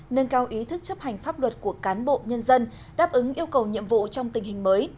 nâng cao ý thức chấp hành pháp luật của cán bộ nhân dân đáp ứng yêu cầu nhiệm vụ trong tình hình mới